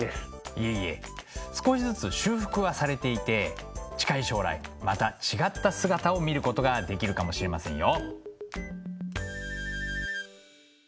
いえいえ少しずつ修復はされていて近い将来また違った姿を見ることができるかもしれませんよ。